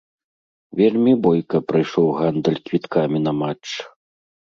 Вельмі бойка прайшоў гандаль квіткамі на матч.